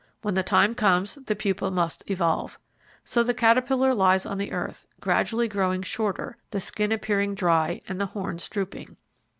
When the time comes the pupa must evolve. So the caterpillar lies on the earth, gradually growing shorter, the skin appearing dry and the horns drooping.